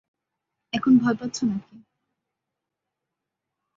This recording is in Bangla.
এখন ভয় পাচ্ছো নাকি?